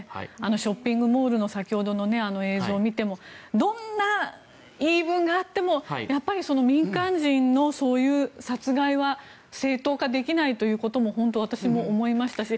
ショッピングモ−ルの先ほどの映像を見てもどんな言い分があってもやっぱり民間人のそういう殺害は正当化できないということも本当に私も思いましたし